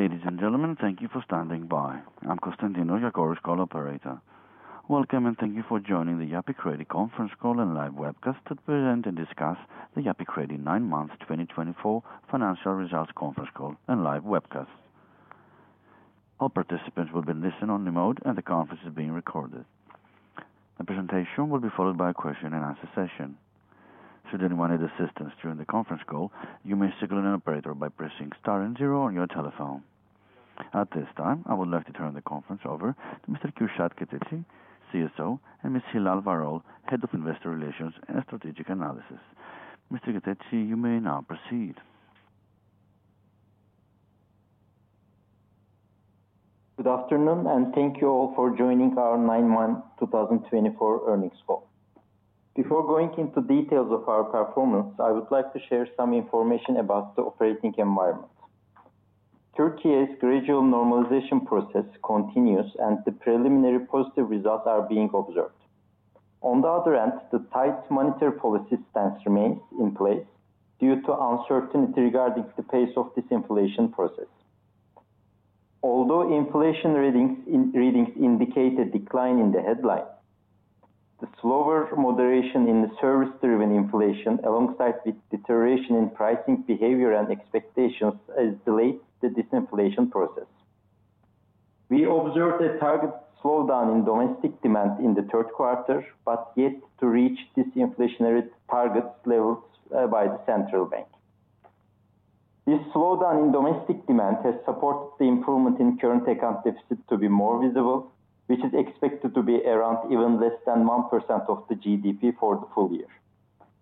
Ladies and gentlemen, thank you for standing by. I'm Konstantino, your gorgeous call operator. Welcome and thank you for joining the Yapı Kredi Conference Call and Live Webcast that presents and discusses the Yapı Kredi nine Months 2024 Financial Results Conference Call and Live Webcast. All participants will be listening on remote, and the conference is being recorded. The presentation will be followed by a question-and-answer session. Should anyone need assistance during the conference call, you may circle in an operator by pressing star and zero on your telephone. At this time, I would like to turn the conference over to Mr. M. Kürşad Keteci, CSO, and Ms. Hilal Varol, Head of Investor Relations and Strategic Analysis. Mr. Keteci, you may now proceed. Good afternoon, and thank you all for joining our Nine Months 2024 Earnings Call. Before going into details of our performance, I would like to share some information about the operating environment. Türkiye's gradual normalization process continues, and the preliminary positive results are being observed. On the other hand, the tight monetary policy stance remains in place due to uncertainty regarding the pace of disinflation process. Although inflation readings indicate a decline in the headline, the slower moderation in the service-driven inflation, alongside with deterioration in pricing behavior and expectations, has delayed the disinflation process. We observed a target slowdown in domestic demand in the Q3, but yet to reach disinflationary target levels by the Central Bank. This slowdown in domestic demand has supported the improvement in current account deficit to be more visible, which is expected to be around even less than 1% of the GDP for the full year.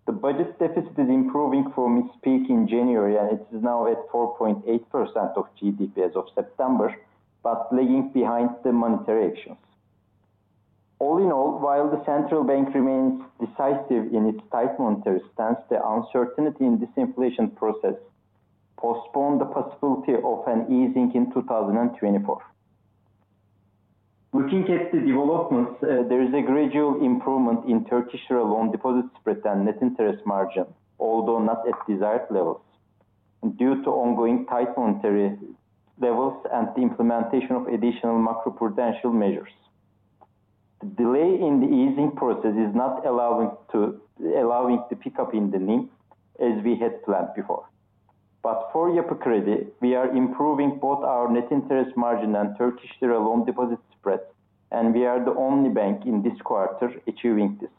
The budget deficit is improving from its peak in January, and it is now at 4.8% of GDP as of September, but lagging behind the monetary actions. All in all, while the central bank remains decisive in its tight monetary stance, the uncertainty in this inflation process postponed the possibility of an easing in 2024. Looking at the developments, there is a gradual improvement in Turkish loan deposit spread and net interest margin, although not at desired levels, due to ongoing tight monetary levels and the implementation of additional macroprudential measures. The delay in the easing process is not allowing the pickup in the loan as we had planned before. But for Yapı Kredi, we are improving both our net interest margin and Turkish loan deposit spread, and we are the only bank in this quarter achieving this.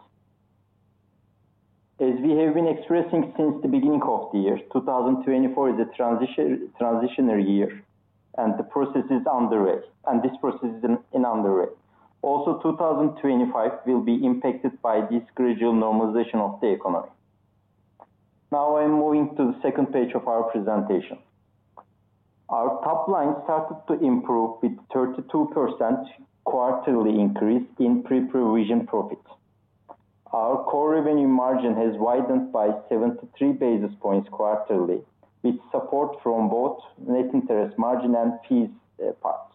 As we have been expressing since the beginning of the year, 2024 is a transitionary year, and the process is underway. Also, 2025 will be impacted by this gradual normalization of the economy. Now I'm moving to the second page of our presentation. Our top line started to improve with a 32% quarterly increase in pre-provision profit. Our core revenue margin has widened by 73 basis points quarterly, with support from both net interest margin and fees part.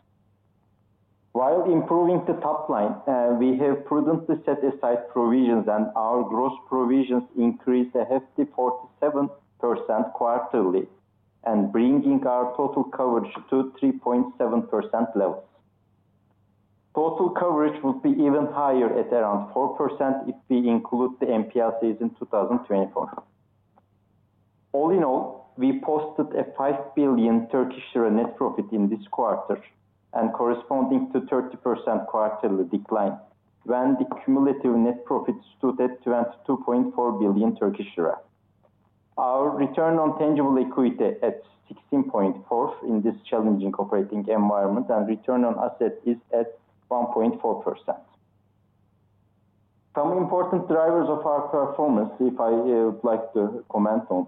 While improving the top line, we have prudently set aside provisions, and our gross provisions increased a hefty 47% quarterly, bringing our total coverage to 3.7% levels. Total coverage would be even higher at around 4% if we include the NPL sales in 2024. All in all, we posted a 5 billion Turkish lira net profit in this quarter, corresponding to a 30% quarterly decline, when the cumulative net profit stood at 22.4 billion Turkish lira. Our return on tangible equity is at 16.4% in this challenging operating environment, and return on asset is at 1.4%. Some important drivers of our performance I would like to comment on.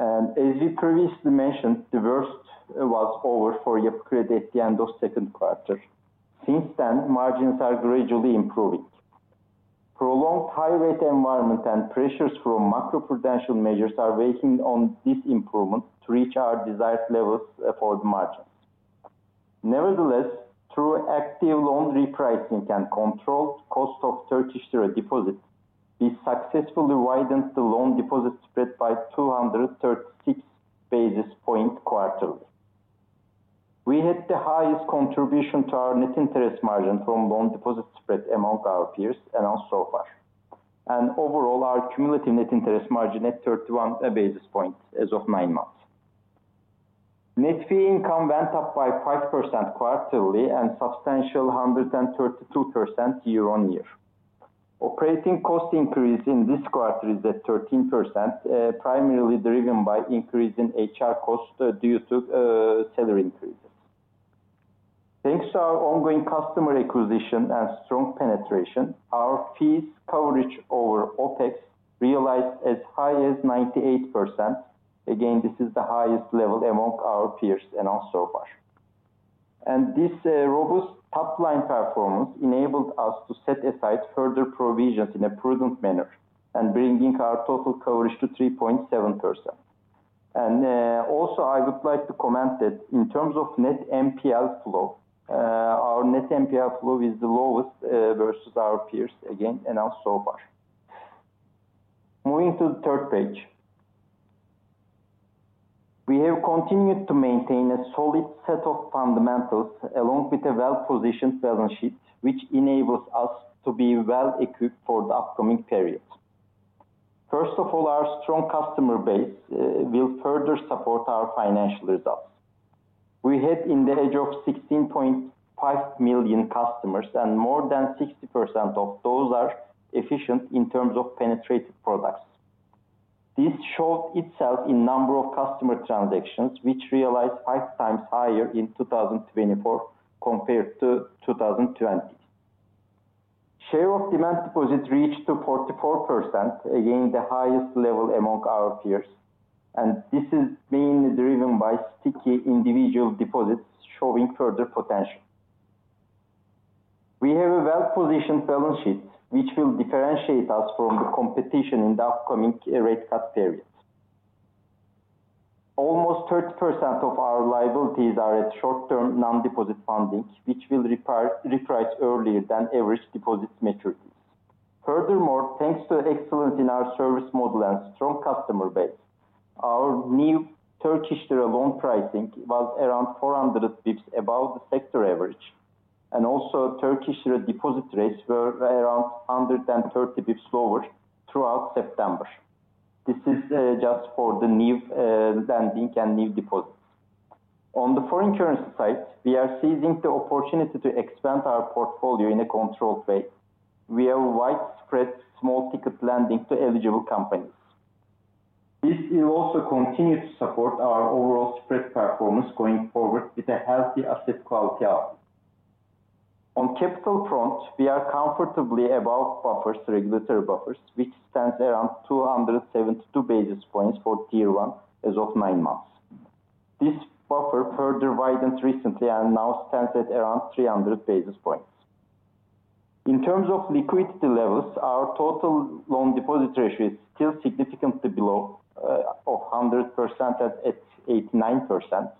As we previously mentioned, the worst was over for Yapı Kredi at the end of the second quarter. Since then, margins are gradually improving. Prolonged high-rate environment and pressures from macroprudential measures are waiting on this improvement to reach our desired levels for the margins. Nevertheless, through active loan repricing and controlled cost of Turkish lira deposits, we successfully widened the loan deposit spread by 236 basis points quarterly. We had the highest contribution to our net interest margin from loan deposit spread among our peers announced so far. Overall, our cumulative net interest margin is at 31 basis points as of nine months. Net fee income went up by 5% quarterly and substantial 132% year on year. Operating cost increase in this quarter is at 13%, primarily driven by increase in HR cost due to salary increases. Thanks to our ongoing customer acquisition and strong penetration, our fees coverage over OpEx realized as high as 98%. Again, this is the highest level among our peers announced so far. This robust top line performance enabled us to set aside further provisions in a prudent manner, bringing our total coverage to 3.7%. Also, I would like to comment that in terms of net NPL flow, our net NPL flow is the lowest versus our peers again announced so far. Moving to the third page, we have continued to maintain a solid set of fundamentals along with a well-positioned balance sheet, which enables us to be well equipped for the upcoming period. First of all, our strong customer base will further support our financial results. We have a base of 16.5 million customers, and more than 60% of those are efficient in terms of penetrated products. This showed itself in number of customer transactions, which realized five times higher in 2024 compared to 2020. Share of demand deposit reached to 44%, again the highest level among our peers, and this is mainly driven by sticky individual deposits showing further potential. We have a well-positioned balance sheet, which will differentiate us from the competition in the upcoming rate cut period. Almost 30% of our liabilities are at short-term non-deposit funding, which will reprice earlier than average deposit maturities. Furthermore, thanks to excellence in our service model and strong customer base, our new Turkish lira loan pricing was around 400 basis points above the sector average, and also Turkish lira deposit rates were around 130 basis points lower throughout September. This is just for the new lending and new deposits. On the foreign currency side, we are seizing the opportunity to expand our portfolio in a controlled way. We have widespread small ticket lending to eligible companies. This will also continue to support our overall spread performance going forward with a healthy asset quality outlook. On capital front, we are comfortably above buffers, regulatory buffers, which stands around 272 basis points for Tier 1 as of nine months. This buffer further widened recently and now stands at around 300 basis points. In terms of liquidity levels, our total loan deposit ratio is still significantly below 100% at 89%,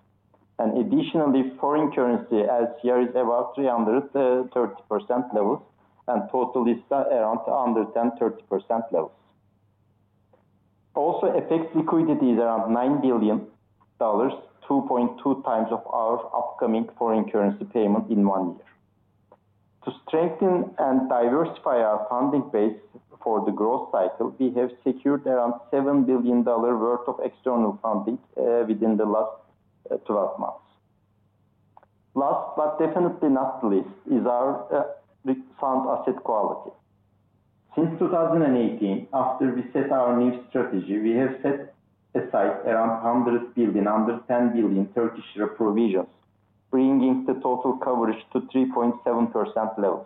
and additionally, foreign currency LCR is about 330% levels and total is around 130% levels. Also, FX liquidity is around $9 billion, 2.2 times of our upcoming foreign currency payment in one year. To strengthen and diversify our funding base for the growth cycle, we have secured around $7 billion worth of external funding within the last 12 months. Last but definitely not least is our sound asset quality. Since 2018, after we set our new strategy, we have set aside around 100 billion, [10 billion provisions], bringing the total coverage to 3.7% levels.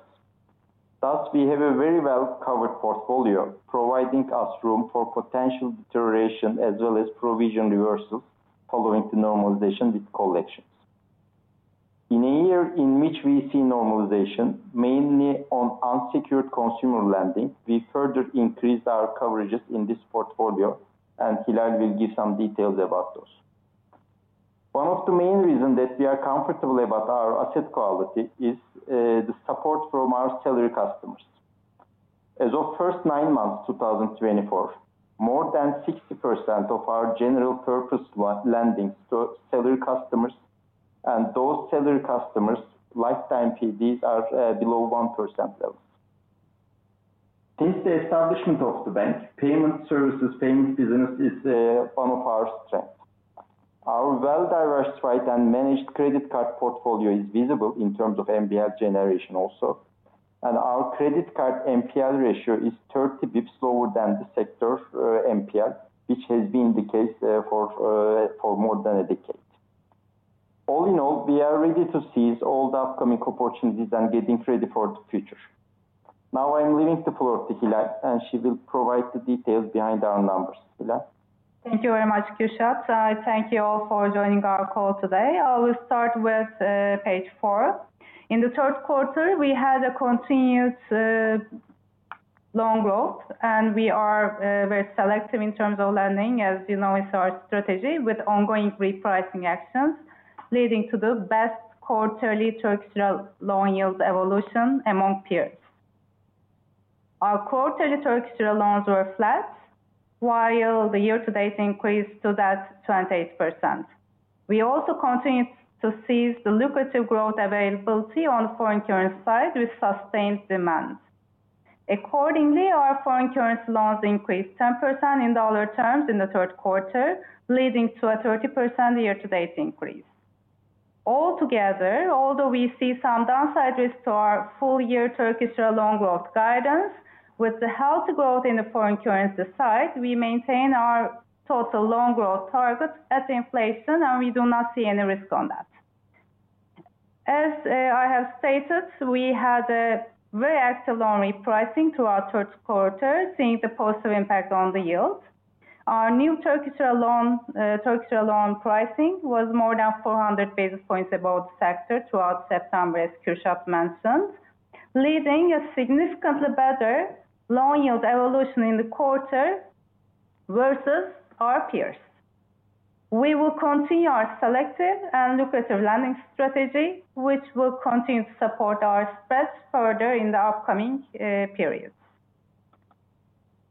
Thus, we have a very well-covered portfolio, providing us room for potential deterioration as well as provision reversals following the normalization with collections. In a year in which we see normalization, mainly on unsecured consumer lending, we further increased our coverages in this portfolio, and Hilal will give some details about those. One of the main reasons that we are comfortable about our asset quality is the support from our salary customers. As of first nine months 2024, more than 60% of our general purpose lending to salary customers, and those salary customers' lifetime PDs are below 1% levels. Since the establishment of the bank, payment services, payment business is one of our strengths. Our well-diversified and managed credit card portfolio is visible in terms of MPL generation also, and our credit card MPL ratio is 30 basis points lower than the sector MPL, which has been the case for more than a decade. All in all, we are ready to seize all the upcoming opportunities and get ready for the future. Now I'm leaving the floor to Hilal, and she will provide the details behind our numbers. Thank you very much, Kürşad. Thank you all for joining our call today. I will start with page four. In Q3, we had a continued loan growth, and we are very selective in terms of lending, as you know, it's our strategy with ongoing repricing actions leading to the best quarterly Turkish lira loan yield evolution among peers. Our quarterly Turkish lira loans were flat, while the year-to-date increase stood at 28%. We also continued to seize the lucrative growth availability on the foreign currency side with sustained demand. Accordingly, our foreign currency loans increased 10% in dollar terms in the Q3, leading to a 30% year-to-date increase. Altogether, although we see some downside risk to our full-year Turkish lira loan growth guidance, with the healthy growth in the foreign currency side, we maintain our total loan growth target at inflation, and we do not see any risk on that. As I have stated, we had a very active loan repricing throughout Q3, seeing the positive impact on the yield. Our new Turkish lira loan pricing was more than 400 basis points above the sector throughout September, as Kürşad mentioned, leading a significantly better loan yield evolution in the quarter versus our peers. We will continue our selective and lucrative lending strategy, which will continue to support our spreads further in the upcoming periods.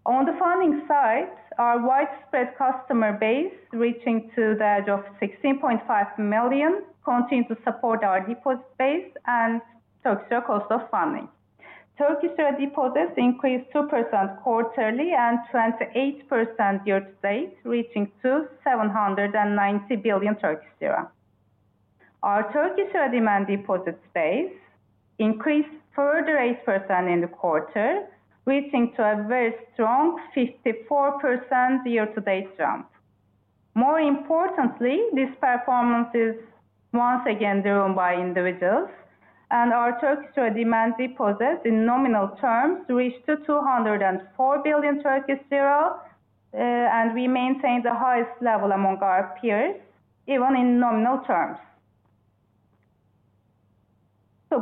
On the funding side, our widespread customer base reaching to the edge of 16.5 million continues to support our deposit base and Turkish lira cost of funding. Turkish lira deposits increased 2% quarterly and 28% year-to-date, reaching to 790 billion. Our Turkish lira demand deposits base increased further 8% in the quarter, reaching to a very strong 54% year-to-date jump. More importantly, this performance is once again driven by individuals, and our Turkish lira demand deposits in nominal terms reached to 204 billion, and we maintain the highest level among our peers, even in nominal terms.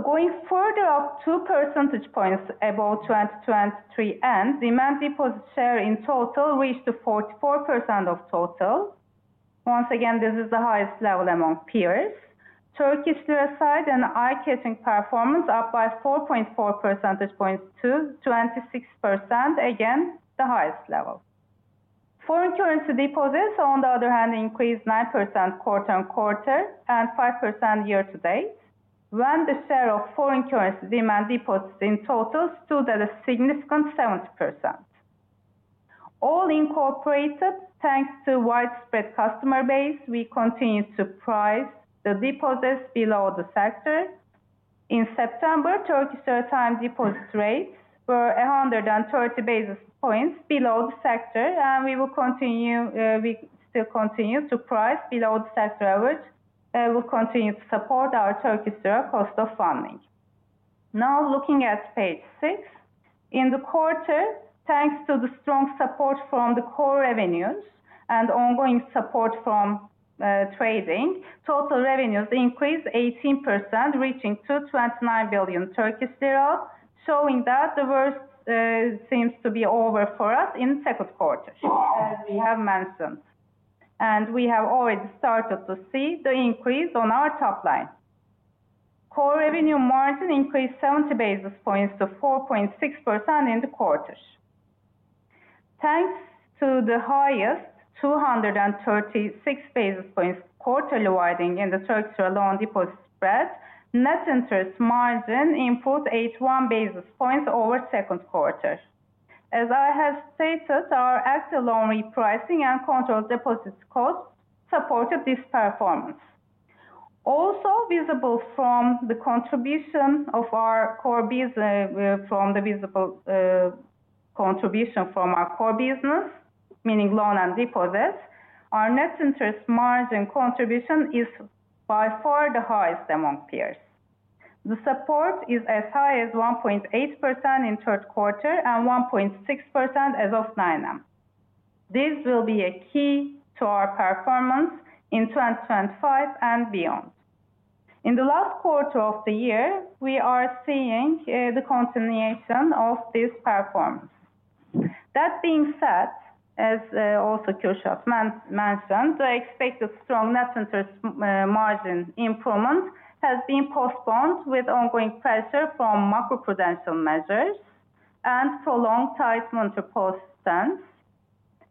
Going further up 2 percentage points above 2023 end, demand deposit share in total reached to 44% of total. Once again, this is the highest level among peers. Turkish lira side and eye-catching performance up by 4.4 percentage points to 26%, again the highest level. Foreign currency deposits, on the other hand, increased 9% quarter on quarter and 5% year-to-date, when the share of foreign currency demand deposits in total stood at a significant 70%. All incorporated, thanks to widespread customer base, we continue to price the deposits below the sector. In September, Turkish lira time deposit rates were 130 basis points below the sector, and we will continue. We still continue to price below the sector average and will continue to support our Turkish lira cost of funding. Now looking at page six, in the quarter, thanks to the strong support from the core revenues and ongoing support from trading, total revenues increased 18%, reaching to 29 billion, showing that the worst seems to be over for us in the second quarter, as we have mentioned, and we have already started to see the increase on our top line. Core revenue margin increased 70 basis points to 4.6% in the quarter. Thanks to the highest 236 basis points quarterly widening in the Turkish lira loan deposit spread, net interest margin improved 81 basis points over second quarter. As I have stated, our active loan repricing and controlled deposits costs supported this performance. Also, from the visible contribution from our core business, meaning loan and deposits, our net interest margin contribution is by far the highest among peers. The support is as high as 1.8% in Q3 and 1.6% as of nine months. This will be a key to our performance in 2025 and beyond. In the last quarter of the year, we are seeing the continuation of this performance. That being said, as also Kürşad mentioned, the expected strong net interest margin improvement has been postponed with ongoing pressure from macroprudential measures and prolonged tightening of post-pandemic.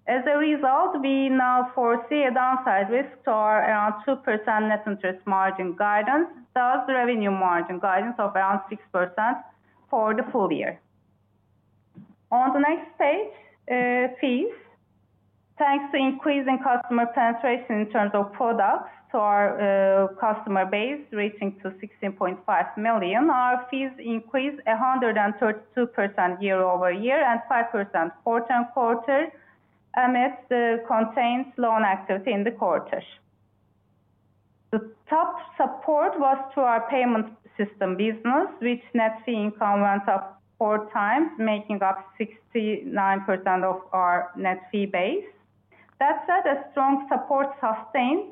As a result, we now foresee a downside risk to our around 2% net interest margin guidance, thus revenue margin guidance of around 6% for the full year. On the next page, fees. Thanks to increasing customer penetration in terms of products to our customer base, reaching to 16.5 million, our fees increased 132% year-over-year and 5% quarter-on-quarter amidst the contained loan activity in the quarter. The top support was to our payment system business, which net fee income went up four times, making up 69% of our net fee base. That said, a strong support sustained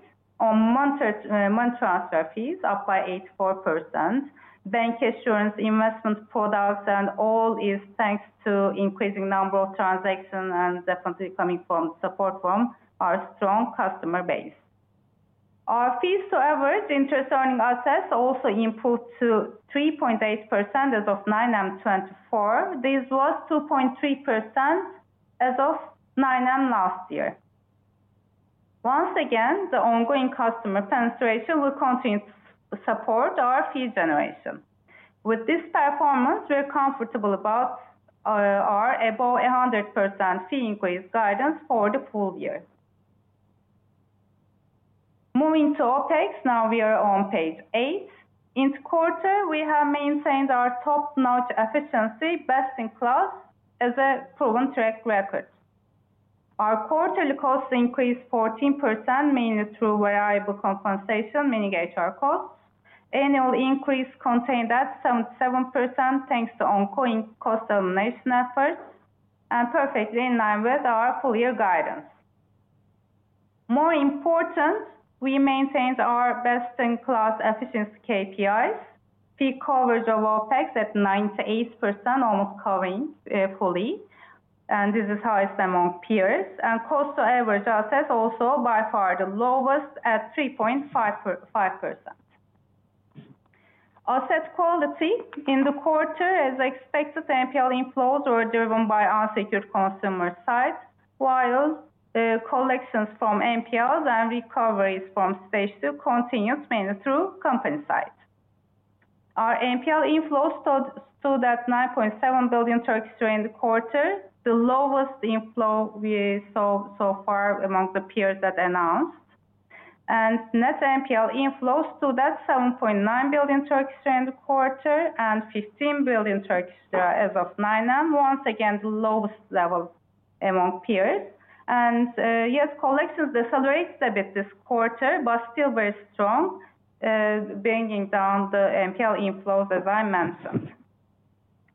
on money transfer fees up by 84%. Bancassurance, investment products, and all is thanks to the increasing number of transactions and definitely coming from the support from our strong customer base. Our fees to average interest earning assets also improved to 3.8% as of 9/24. This was 2.3% as of 9/24 last year. Once again, the ongoing customer penetration will continue to support our fee generation. With this performance, we're comfortable about our above 100% fee increase guidance for the full year. Moving to OpEx, now we are on page eight. In quarter, we have maintained our top-notch efficiency, best in class, as a proven track record. Our quarterly costs increased 14%, mainly through variable compensation, meaning HR costs. Annual increase contained at 77%, thanks to ongoing cost elimination efforts and perfectly in line with our full-year guidance. More important, we maintained our best-in-class efficiency KPIs. Fee coverage of OpEx at 98%, almost covering fully, and this is highest among peers. Cost-to-average assets also by far the lowest at 3.5%. Asset quality in the quarter, as expected, MPL inflows were driven by unsecured consumer side, while collections from MPLs and recoveries from stage two continued, mainly through company side. Our MPL inflows stood at 9.7 billion in the quarter, the lowest inflow we saw so far among the peers that announced. Net MPL inflows stood at TRY 7.9 billion in the quarter and 15 billion Turkish lira as of 9/2, once again the lowest level among peers. Yes, collections decelerated a bit this quarter, but still very strong, bringing down the MPL inflows, as I mentioned.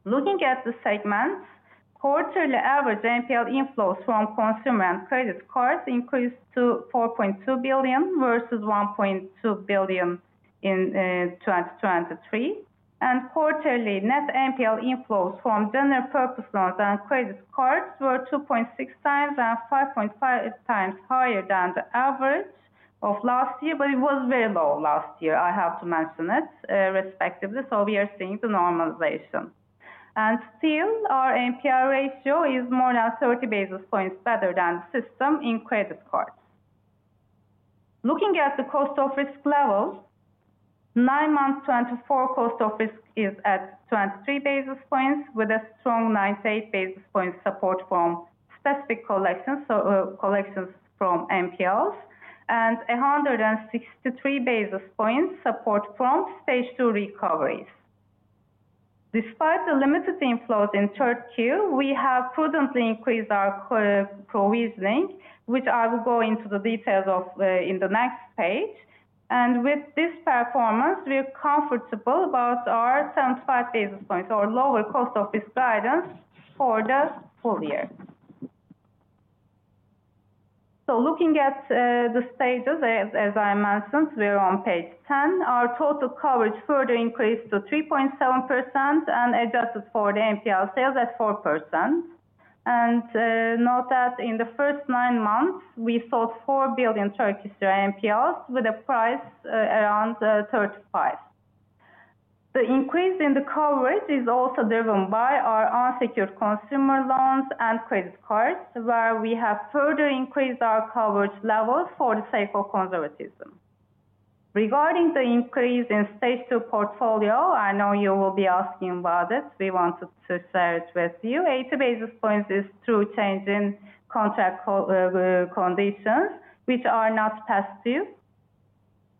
Looking at the segments, quarterly average MPL inflows from consumer and credit cards increased to 4.2 billion versus 1.2 billion in 2023. Quarterly net MPL inflows from general purpose loans and credit cards were 2.6 times and 5.5 times higher than the average of last year, but it was very low last year, I have to mention it respectively. We are seeing the normalization. Still, our MPL ratio is more than 30 basis points better than the system in credit cards. Looking at the cost of risk level, 9/24 cost of risk is at 23 basis points with a strong 98 basis points support from specific collections, so collections from MPLs, and 163 basis points support from stage two recoveries. Despite the limited inflows in Q3, we have prudently increased our provisioning, which I will go into the details of in the next page. With this performance, we are comfortable about our 75 basis points or lower cost of risk guidance for the full year. So looking at the stages, as I mentioned, we are on page 10. Our total coverage further increased to 3.7% and adjusted for the MPL sales at 4%. And note that in the first nine months, we sold four billion Turkish lira MPLs with a price around 35. The increase in the coverage is also driven by our unsecured consumer loans and credit cards, where we have further increased our coverage level for the sake of conservatism. Regarding the increase in stage two portfolio, I know you will be asking about it. We wanted to share it with you. 80 basis points is through changing contract conditions, which are not past due.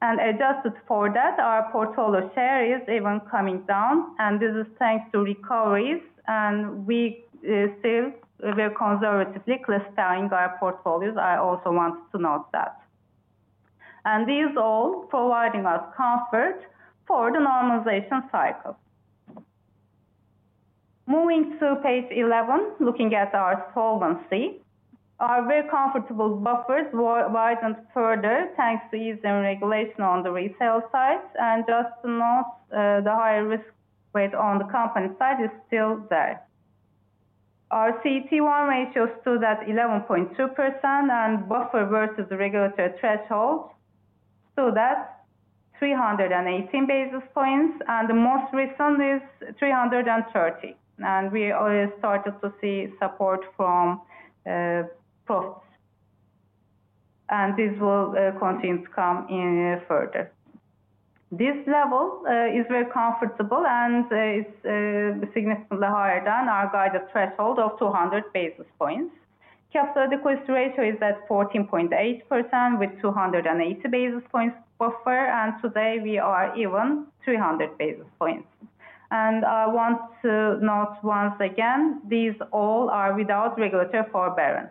And adjusted for that, our portfolio share is even coming down, and this is thanks to recoveries, and we still were conservatively clustering our portfolios. I also wanted to note that. These all providing us comfort for the normalization cycle. Moving to page 11, looking at our solvency, our very comfortable buffers widened further thanks to easing regulation on the retail side. Just to note, the higher risk rate on the company side is still there. Our CET1 ratio stood at 11.2%, and buffer versus the regulatory threshold stood at 318 basis points, and the most recent is 330. We started to see support from profits, and this will continue to come in further. This level is very comfortable and is significantly higher than our guided threshold of 200 basis points. Capital Adequacy Ratio is at 14.8% with 280 basis points buffer, and today we are even 300 basis points. I want to note once again, these all are without regulatory forbearance.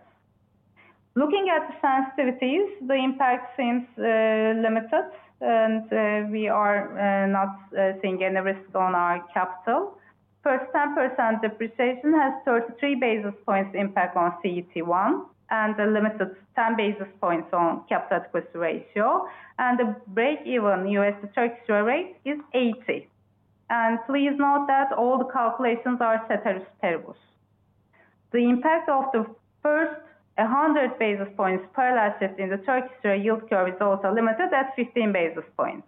Looking at the sensitivities, the impact seems limited, and we are not seeing any risk on our capital. First 10% depreciation has 33 basis points impact on CT1 and a limited 10 basis points on capital equity ratio, and the break-even US to Turkish lira rate is 80, and please note that all the calculations are ceteris paribus. The impact of the first 100 basis points parallel shift in the Turkish lira yield curve is also limited at 15 basis points.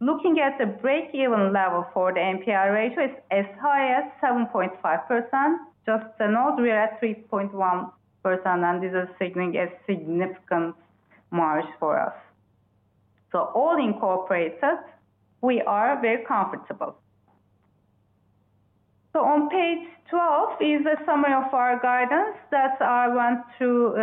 Looking at the break-even level for the MPL ratio is as high as 7.5%. Just to note, we are at 3.1%, and this is signaling a significant margin for us, so all incorporated, we are very comfortable, so on page 12 is a summary of our guidance that I went through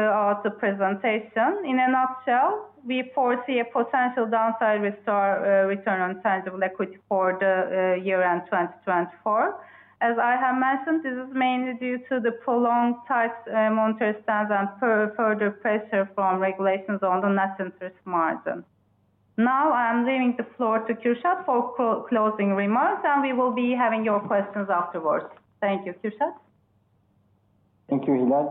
the presentation. In a nutshell, we foresee a potential downside return on tangible equity for the year end 2024. As I have mentioned, this is mainly due to the prolonged tight monetary stance and further pressure from regulations on the net interest margin. Now I'm leaving the floor to Kürşad for closing remarks, and we will be having your questions afterwards. Thank you, Kürşad. Thank you, Hilal.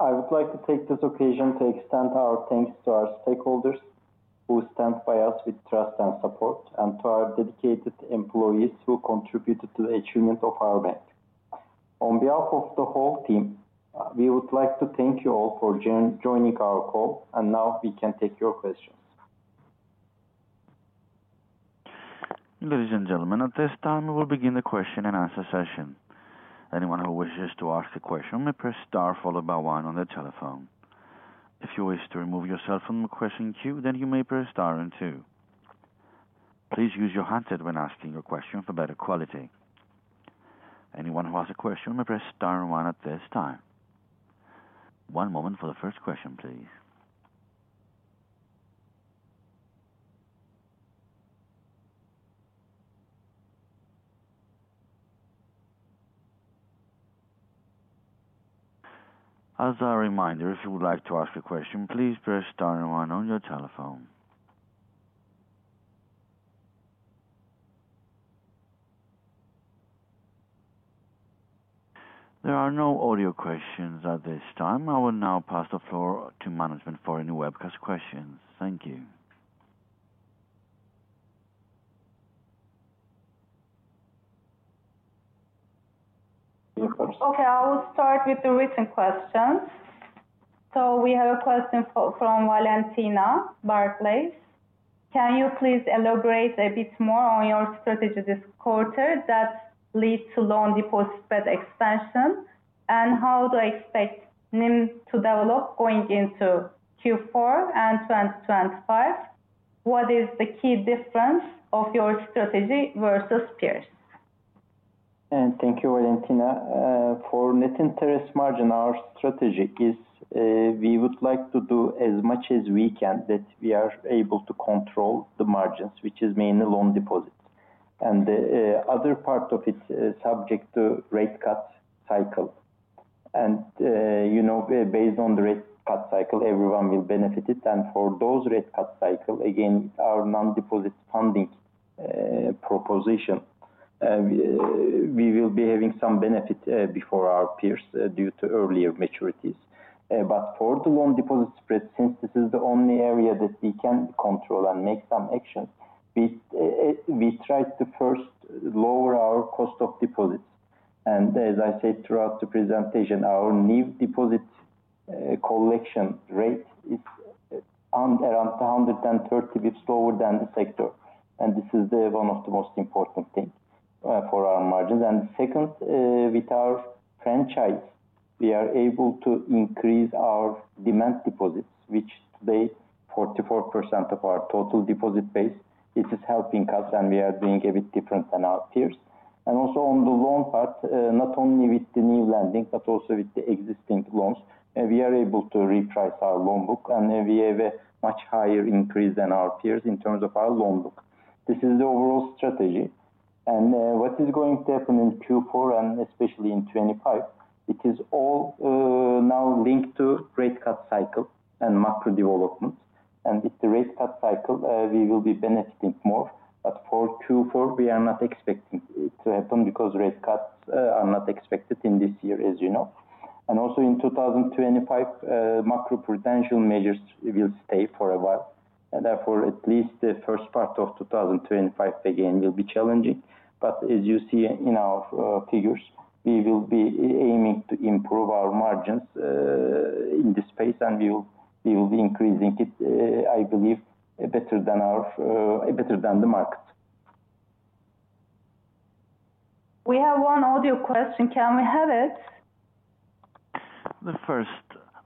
I would like to take this occasion to extend our thanks to our stakeholders who stand by us with trust and support, and to our dedicated employees who contributed to the achievement of our bank. On behalf of the whole team, we would like to thank you all for joining our call, and now we can take your questions. Ladies and gentlemen, at this time, we will begin the question and answer session. Anyone who wishes to ask a question may press star followed by one on the telephone. If you wish to remove yourself from the question queue, then you may press star and two. Please use your handset when asking your question for better quality. Anyone who has a question may press star and one at this time. One moment for the first question, please. As a reminder, if you would like to ask a question, please press star and one on your telephone. There are no audio questions at this time. I will now pass the floor to management for any webcast questions. Thank you. Okay, I will start with the written questions. So we have a question from Valentina Barclays. Can you please elaborate a bit more on your strategy this quarter that leads to loan deposit spread expansion, and how do you expect NIM to develop going into Q4 and 2025? What is the key difference of your strategy versus peers? Thank you, Valentina. For net interest margin, our strategy is we would like to do as much as we can that we are able to control the margins, which is mainly loan deposits, and the other part of it is subject to rate cut cycle, and based on the rate cut cycle, everyone will benefit it, and for those rate cut cycles, again, our non-deposit funding proposition, we will be having some benefit before our peers due to earlier maturities. But for the loan deposit spread, since this is the only area that we can control and make some actions, we tried to first lower our cost of deposits. And as I said throughout the presentation, our NIM deposit collection rate is around 130, which is lower than the sector. And this is one of the most important things for our margins. And second, with our franchise, we are able to increase our demand deposits, which today is 44% of our total deposit base. This is helping us, and we are doing a bit different than our peers. And also on the loan part, not only with the new lending, but also with the existing loans, we are able to reprice our loan book, and we have a much higher increase than our peers in terms of our loan book. This is the overall strategy. What is going to happen in Q4, and especially in Q25? It is all now linked to rate cut cycle and macro developments. And with the rate cut cycle, we will be benefiting more. But for Q4, we are not expecting it to happen because rate cuts are not expected in this year, as you know. And also in 2025, macroprudential measures will stay for a while. Therefore, at least the first part of 2025, again, will be challenging. But as you see in our figures, we will be aiming to improve our margins in this space, and we will be increasing it, I believe, better than the market. We have one audio question. Can we have it? The first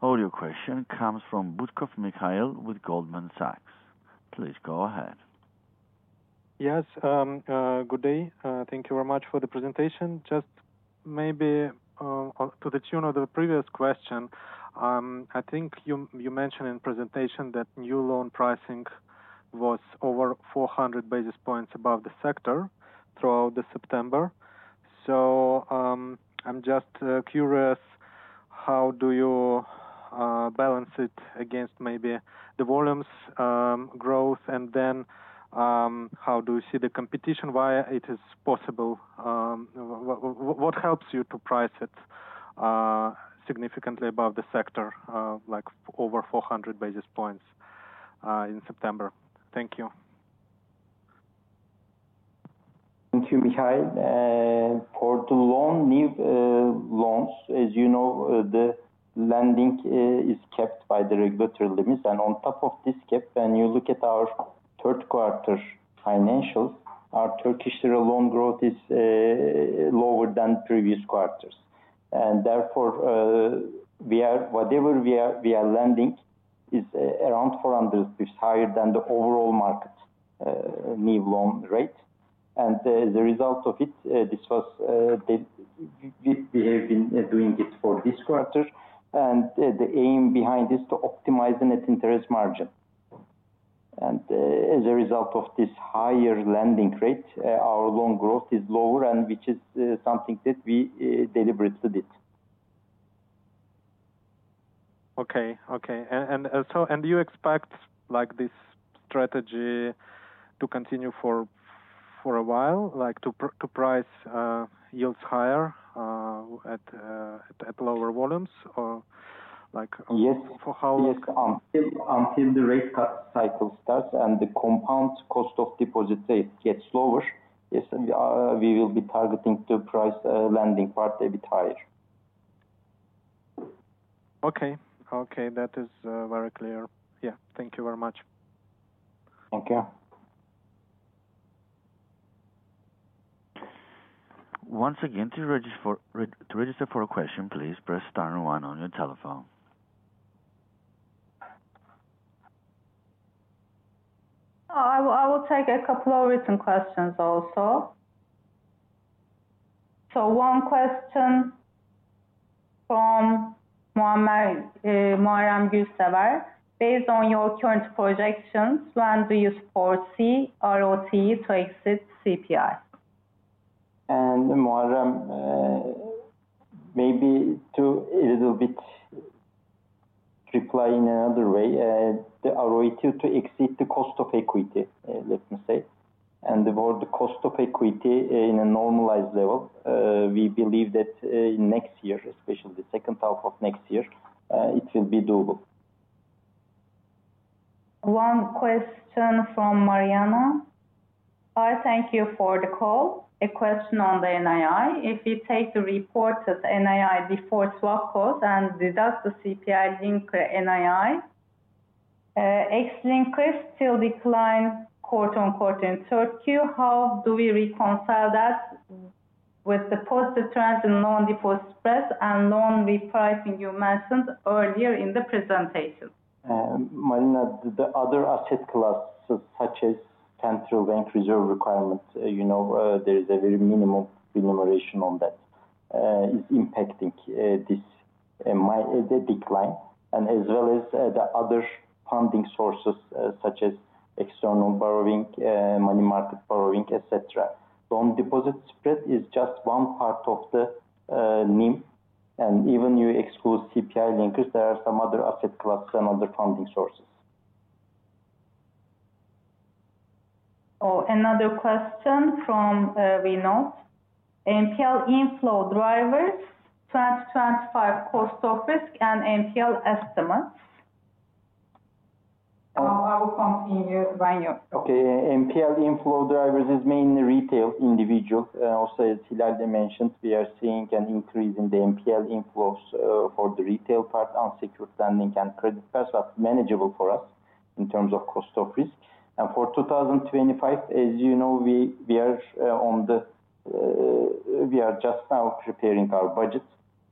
audio question comes from Mikhail Butkov with Goldman Sachs. Please go ahead. Yes, good day. Thank you very much for the presentation. Just maybe to the tune of the previous question, I think you mentioned in the presentation that new loan pricing was over 400 basis points above the sector throughout September. So I'm just curious, how do you balance it against maybe the volumes growth, and then how do you see the competition, why it is possible? What helps you to price it significantly above the sector, like over 400 basis points in September? Thank you. Thank you, Mikhail. For the loan new loans, as you know, the lending is capped by the regulatory limits. And on top of this cap, when you look at our Q3 financials, our Turkish lira loan growth is lower than previous quarters. And therefore, whatever we are lending is around 400, which is higher than the overall market new loan rate. And as a result of it, this was we have been doing it for this quarter. And the aim behind is to optimize the net interest margin. And as a result of this higher lending rate, our loan growth is lower, which is something that we deliberately did. Okay, okay. And do you expect this strategy to continue for a while, like to price yields higher at lower volumes or like for how long? Yes, until the rate cut cycle starts and the compound cost of deposit rate gets lower. Yes, we will be targeting to price lending part a bit higher. Okay, okay. That is very clear. Yeah, thank you very much. Thank you. Once again, to register for a question, please press star and one on your telephone. I will take a couple of written questions also. So one question from Muharrem Gürsever. Based on your current projections, when do you foresee ROTE to exit CPI, And Muharrem, maybe to a little bit reply in another way, the ROE to exit the cost of equity, let me say, and for the cost of equity in a normalized level, we believe that next year, especially the second half of next year, it will be doable. One question from Marina. I thank you for the call. A question on the NII. If we take the reported NII deduct swap cost and deduct the CPI link NII, ex-linkers still decline quarter on quarter in Turkey. How do we reconcile that with the positive trends in loan deposit spreads and loan repricing you mentioned earlier in the presentation? Marina, the other asset classes, such as central bank reserve requirements, there is a very minimal remuneration on that, is impacting this decline. As well as the other funding sources, such as external borrowing, money market borrowing, etc. Loan deposit spread is just one part of the NIM. And even if you exclude CPI linkers, there are some other asset classes and other funding sources. Oh, another question from Vinod. NPL inflow drivers, 2025 cost of risk and NPL estimates. I will continue. Okay. NPL inflow drivers is mainly retail individuals. Also, as Hilal mentioned, we are seeing an increase in the NPL inflows for the retail part on secured lending and credit cards, but manageable for us in terms of cost of risk. And for 2025, as you know, we are just now preparing our budget.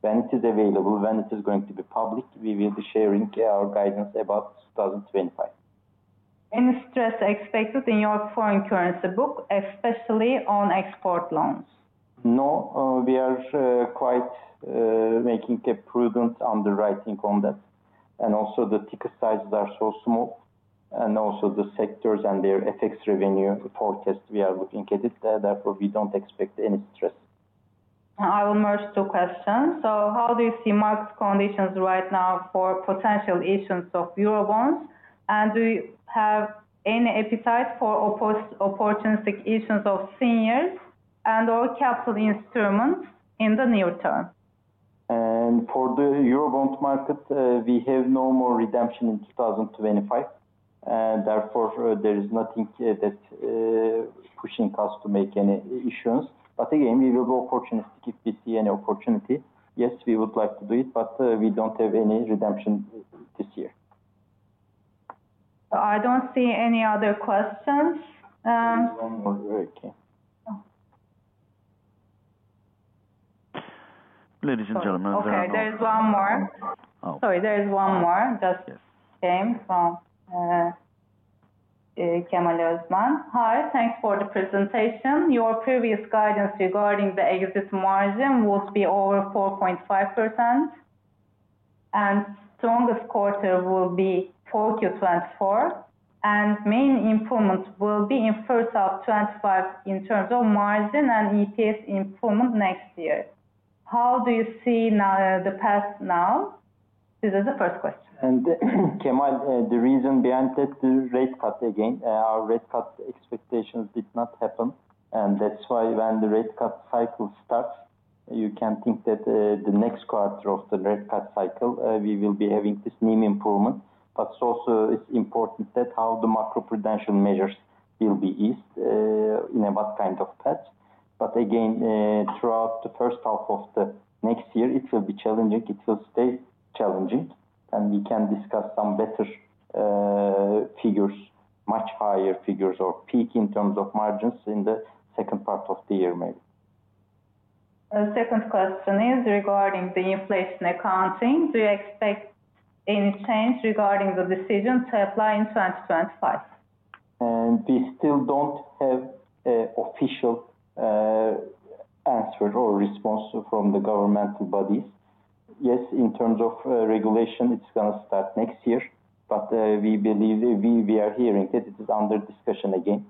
When it is available, when it is going to be public, we will be sharing our guidance about 2025. Any stress expected in your foreign currency book, especially on export loans? No, we are quite making a prudent underwriting on that, and also the ticket sizes are so small, and also the sectors and their FX revenue forecast, we are looking at it. Therefore, we don't expect any stress. I will merge two questions. How do you see market conditions right now for potential issues of euro bonds? Do you have any appetite for opportunistic issues of seniors and/or capital instruments in the near term? For the euro bond market, we have no more redemption in 2025. Therefore, there is nothing that is pushing us to make any issuance, but again, we will be opportunistic if we see any opportunity. Yes, we would like to do it, but we don't have any redemption this year. I don't see any other questions. There's one more. Okay. Ladies and gentlemen, there are more. Okay, there's one more. Sorry, there's one more. Just came from Kemal Osman. Hi, thanks for the presentation. Your previous guidance regarding the exit margin will be over 4.5%, and strongest quarter will be for Q24, and main improvement will be in first half 2025 in terms of margin and EPS improvement next year. How do you see the path now? This is the first question. And Kemal, the reason behind that rate cut, again, our rate cut expectations did not happen, and that's why when the rate cut cycle starts, you can think that the next quarter of the rate cut cycle, we will be having this NIM improvement, but also it's important that how the macroprudential measures will be eased in what kind of paths, but again, throughout the first half of the next year, it will be challenging. It will stay challenging. We can discuss some better figures, much higher figures or peak in terms of margins in the second part of the year, maybe. The second question is regarding the inflation accounting. Do you expect any change regarding the decision to apply in 2025? We still don't have an official answer or response from the government bodies. Yes, in terms of regulation, it's going to start next year. But we believe we are hearing that it is under discussion again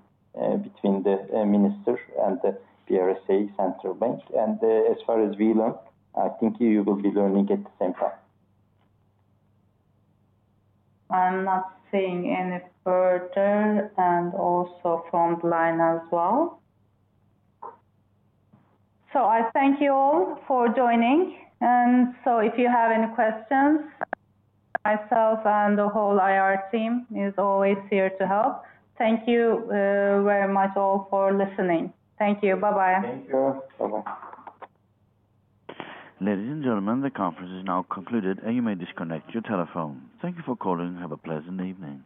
between the minister and the BRSA, Central Bank. And as far as we learn, I think you will be learning at the same time. I'm not seeing any further. And also from the line as well. So I thank you all for joining. And so if you have any questions, myself and the whole IR team are always here to help. Thank you very much all for listening. Thank you. Bye-bye. Thank you. Bye-bye. Ladies and gentlemen, the conference is now concluded, and you may disconnect your telephone. Thank you for calling. Have a pleasant evening.